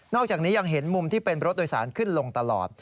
อกจากนี้ยังเห็นมุมที่เป็นรถโดยสารขึ้นลงตลอด